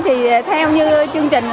theo như chương trình